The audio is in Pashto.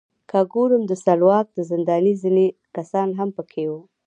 که ګورم د سلواک د زندان ځینې کسان هم پکې وو.